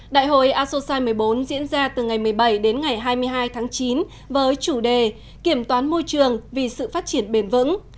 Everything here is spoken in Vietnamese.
đại hội asosai một mươi bốn diễn ra từ ngày một mươi bảy đến ngày hai mươi hai tháng chín với chủ đề kiểm toán môi trường vì sự phát triển bền vững